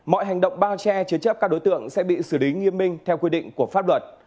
mọi hành động bao che chế chấp các đối tượng sẽ bị xử lý nghiêm minh theo quy định của pháp luật